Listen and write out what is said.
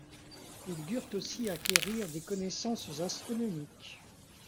Ils durent aussi acquérir des connaissances astronomiques.